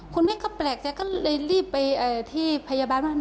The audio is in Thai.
คุณแม่ก็แปลกใจก็เลยรีบไปที่พยาบาลว่า